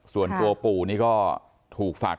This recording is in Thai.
ส่วนตัวปู่นี่ก็ถูกฝาก